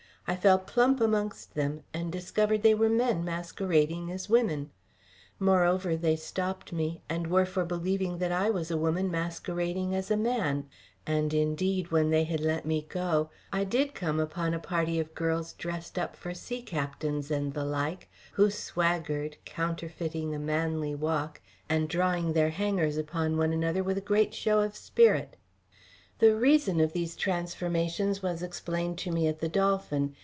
I fell plump amongst them, and discovered they were men masquerading as women. Moreover, they stopped me, and were for believing that I was a woman masquerading as a man; and, indeed, when they had let me go I did come upon a party of girls dressed up for sea captains and the like, who swaggered, counterfeiting a manly walk, and drawing their hangers upon one another with a great show of spirit. The reason of these transformations was explained to me at the "Dolphin."